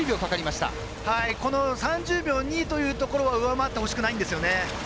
３０秒２というところは上回ってほしくないんですよね。